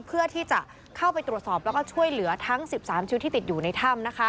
เพื่อที่จะเข้าไปตรวจสอบแล้วก็ช่วยเหลือทั้ง๑๓ชีวิตที่ติดอยู่ในถ้ำ